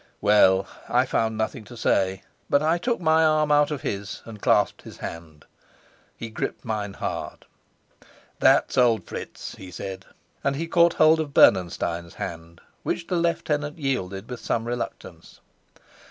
Well, I found nothing to say, but I took my arm out of his and clasped his hand. He gripped mine hard. "That's old Fritz!" he said; and he caught hold of Bernenstein's hand, which the lieutenant yielded with some reluctance.